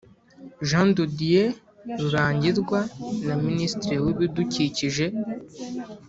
Jean de Dieu Rurangirwa na Minisitiri w’Ibidukikije